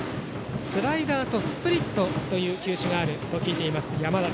スライダーとスプリットという球種があると聞いています、山田。